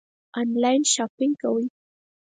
آنلاین شاپنګ کوئ؟